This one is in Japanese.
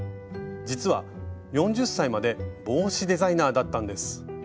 実は４０歳まで帽子デザイナーだったんです。